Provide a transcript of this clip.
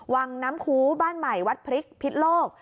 วังน้ำคูบ้านใหม่วัดพริกพิษโลก